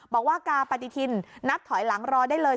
บอกว่ากาปฏิทินนับถอยหลังรอได้เลย